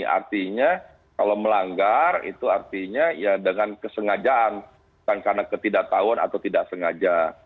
artinya kalau melanggar itu artinya dengan kesengajaan tanpa ketidaktauan atau tidak sengaja